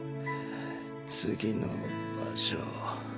次の場所